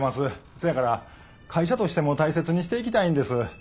そやから会社としても大切にしていきたいんです。